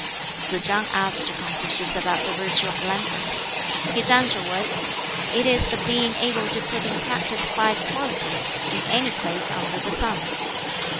Tsz chang asked Confucius about the virtue of philanthropy. His answer was, "It is the being able to put in practice five qualities, in any place under the sun."